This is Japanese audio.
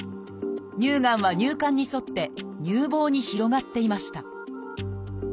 乳がんは乳管に沿って乳房に広がっていました。